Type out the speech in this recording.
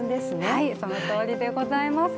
はい、そのとおりでございます。